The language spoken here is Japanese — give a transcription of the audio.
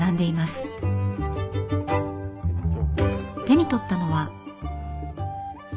手に取ったのは。